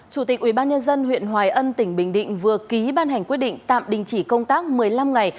chủ tịch ubnd huyện hoài ân tỉnh bình định vừa ký ban hành quyết định tạm đình chỉ công tác một mươi năm ngày